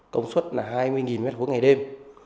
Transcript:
công suất là hai mươi mét khối ngày đêm